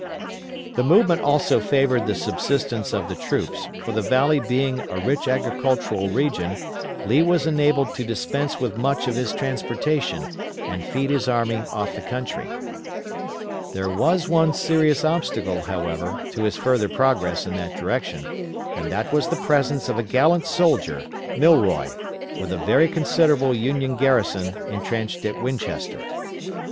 ] The movement also favored the subsistence of the troops, for the valley being a rich agricultural region, Lee was enabled to dispense with much of his transportation and feed his army off the country. There was one serious obstacle, however, to his further progress in that direction, and that was the presence of a gallant soldier, Milroy, with a very considerable Union garrison intrenched at Winchester.